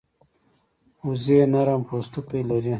وزې نرم پوستکی لري